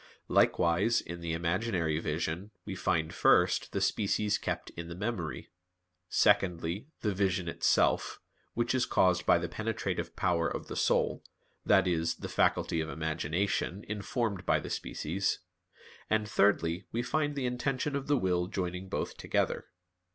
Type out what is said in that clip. Likewise, in the imaginary vision we find first the species kept in the memory; secondly, the vision itself, which is caused by the penetrative power of the soul, that is, the faculty of imagination, informed by the species; and thirdly, we find the intention of the will joining both together.